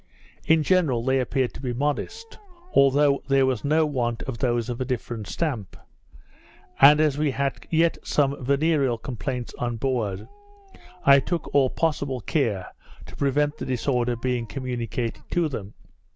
In general they appeared to be modest; although there was no want of those of a different stamp; and as we had yet some venereal complaints on board, I took all possible care to prevent the disorder being communicated to them.